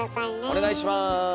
お願いします。